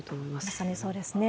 まさにそうですね。